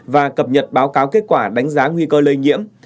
và cập nhật báo cáo kết quả đánh giá nguy cơ lây nhiễm